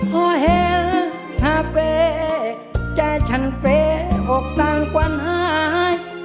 พอเห็นถ้าเฟ้ใจฉันเฟ้อกสังความหาย